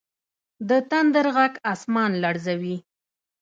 د تندر ږغ اسمان لړزوي.